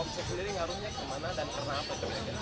omset sendiri ngaruhnya kemana dan kenapa